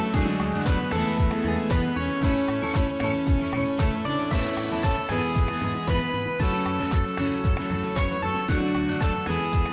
สวัสดีครับ